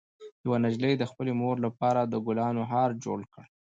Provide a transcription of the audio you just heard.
یوه نجلۍ د خپلې مور لپاره د ګلانو هار جوړ کړ.